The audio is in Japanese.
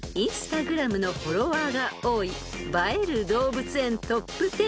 ［Ｉｎｓｔａｇｒａｍのフォロワーが多い映える動物園トップ１０］